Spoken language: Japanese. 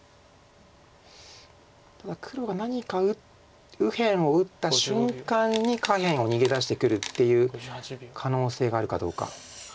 ただ黒が何か右辺を打った瞬間に下辺を逃げ出してくるっていう可能性があるかどうか。